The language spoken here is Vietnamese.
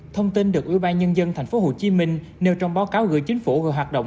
thông tin được ủy ban nhân dân tp hcm nêu trong báo cáo gửi chính phủ về hoạt động